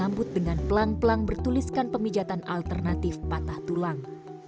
sambut dengan pelang pelang bertuliskan pemijatan alternatif patah tulang